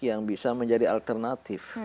yang bisa menjadi alternatif